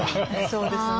そうですね。